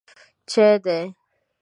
_چای دی؟